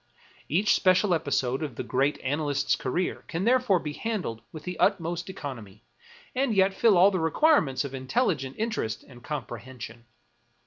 Each special episode of the great analyst's career can therefore be handled with the utmost economy, and yet fill all the requirements of intelligent interest and comprehension.